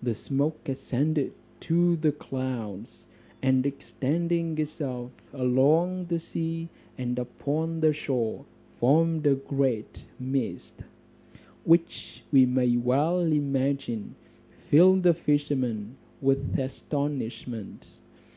The smoke ascended to the clouds, and extending itself along the sea and upon the shore formed a great mist, which we may well imagine filled the fisherman with astonishment.